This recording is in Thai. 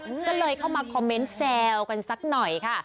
ก็เลยเข้ามาคอมเมนต์แซวกันสักหน่อยค่ะ